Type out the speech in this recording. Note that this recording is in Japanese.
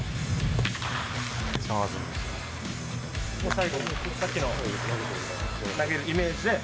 最後に、さっきの投げるイメージで。